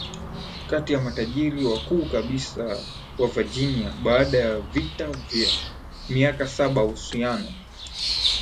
kati ya matajiri wakuu kabisa wa VirginiaBaada ya vita ya miaka saba uhusiano